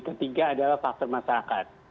ketiga adalah faktor masyarakat